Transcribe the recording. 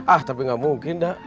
ah tapi gak mungkin dak